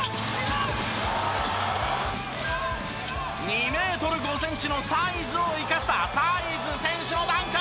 ２メートル５センチの「サイズ」を生かしたサイズ選手のダンク！